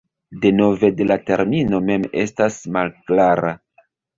Deveno de la termino mem estas malklara.